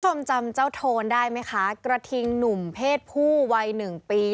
จำเจ้าโทนได้ไหมคะกระทิงหนุ่มเพศผู้วัยหนึ่งปี